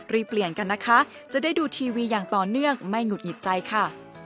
เปลี่ยนกันนะคะจะได้ดูทีวีอย่างต่อเนื่องไม่หุดหงิดใจค่ะ